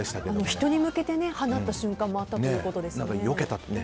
人に向けて放った瞬間もあったということですよね。